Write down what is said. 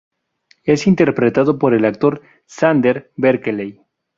Es interpretado por el actor Xander Berkeley.